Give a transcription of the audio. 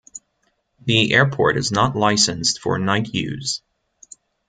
The airport is not licensed for night use.